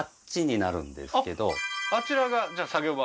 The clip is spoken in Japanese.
あちらがじゃあ作業場？